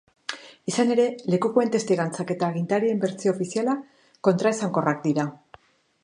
Izan ere, lekukoen testigantzak eta agintarien bertsio ofiziala kontraesankorrak dira.